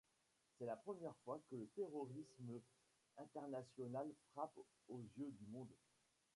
C'est la première fois que le terrorisme international frappe aux yeux du monde.